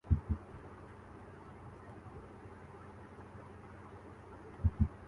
بَہُت طنز کرنا